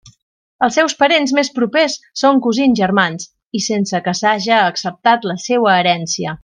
Els seus parents més propers són cosins germans, i sense que s'haja acceptat la seua herència.